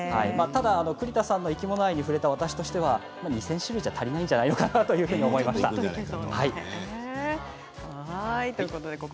ただ栗田さんの生き物愛に触れた私としては２０００種類じゃ足りないんじゃ齋藤君バイバイ。